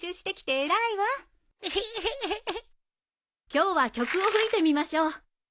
今日は曲を吹いてみましょう。